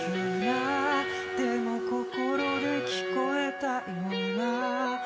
「でも心で聞こえたような」